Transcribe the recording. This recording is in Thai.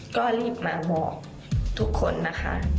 ก็รีบมาบอกทุกคนนะคะ